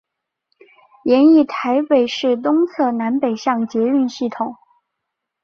研议台北市东侧南北向捷运系统。